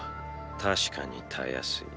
確かにたやすい。